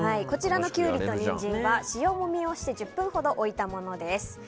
こちらのキュウリとニンジンは塩もみをして１０分ほど置いたものです。